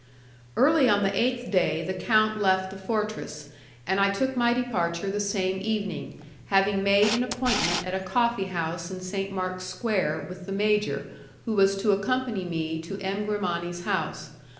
Early on the eighth day the count left the fortress, and I took my departure the same evening, having made an appointment at a coffee house in St. Mark's Square with the major who was to accompany me to M. Grimani's house.